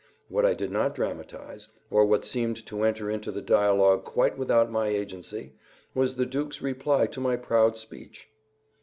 What I did not dramatize, or what seemed to enter into the dialogue quite without my agency, was the Duke's reply to my proud speech.